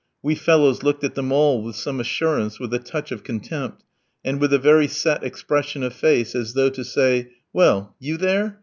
We fellows looked at them all with some assurance, with a touch of contempt, and with a very set expression of face, as though to say: "Well, you there?